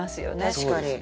確かに。